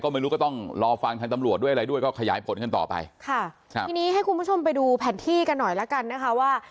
ไม่รู้ก็ต้องรอฟังทางตำรวจด้วยอะไรด้วยก็ขยายผลกันต่อไปค่ะครับทีนี้ให้คุณผู้ชมไปดูแผนที่กันหน่อยแล้วกันนะคะว่า